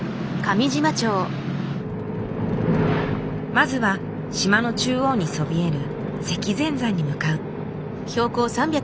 まずは島の中央にそびえる積善山に向かう。